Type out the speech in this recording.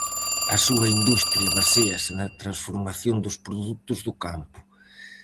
A súa industria baséase na transformación dos produtos do campo.